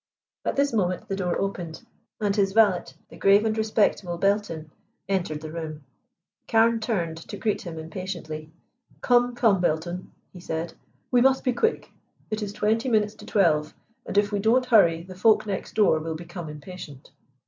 At this moment the door opened, and his valet, the grave and respectable Belton, entered the room. Carne turned to greet him impatiently. "Come, come, Belton," he said, "we must be quick. It is twenty minutes to twelve, and if we don't hurry the folk next door will become impatient.